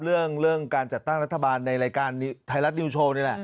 เรื่องเรื่องการจัดตั้งรัฐบาลในรายการไทยรัฐนิวโชว์